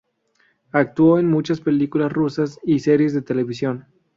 Actuó en muchas películas rusas y series de televisión.